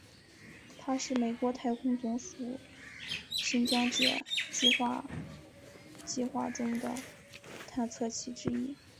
它是美国太空总署新疆界计画计划中的探测器之一。